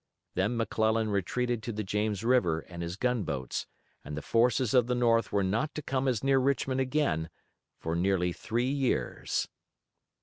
Then McClellan retreated to the James River and his gunboats and the forces of the North were not to come as near Richmond again for nearly three years.